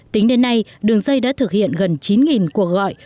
tính đến nay đường dây đã thực hiện gần chín cuộc gọi